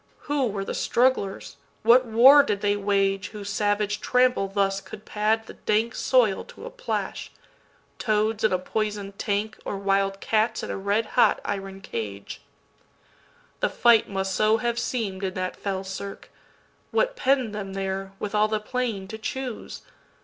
Who were the strugglers, what war did they wageWhose savage trample thus could pad the dankSoil to a plash? Toads in a poison'd tank, Or wild cats in a red hot iron cage—The fight must so have seem'd in that fell cirque. What penn'd them there, with all the plain to choose?